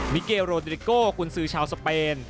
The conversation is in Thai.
มิเกลโรเดริโกคุณซื้อชาวสเปน